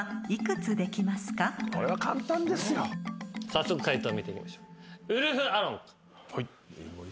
早速解答見てみましょう。